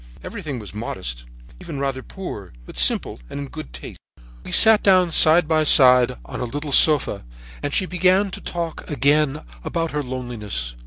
Everything was modest, even rather poor, but simple and in good taste. "We sat down side by side on a little sofa and she began to talk again about her loneliness.